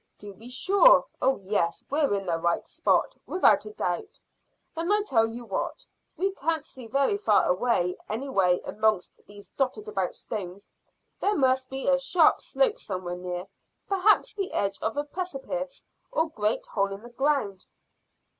"To be sure. Oh yes, we're in the right spot, without a doubt. Then I tell you what. We can't see very far away any way amongst these dotted about stones; there must be a sharp slope somewhere near, perhaps the edge of a precipice, or great hole in the ground."